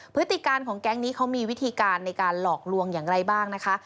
พฤติการของแก๊งนี้เขามีวิธีการในการหลอกลวงอย่างไรบ้างนะคะ